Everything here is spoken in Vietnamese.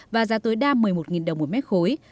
và giá tối đa một mươi một đồng một mét khối